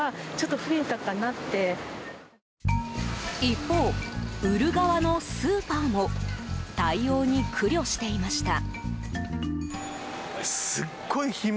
一方、売る側のスーパーも対応に苦慮していました。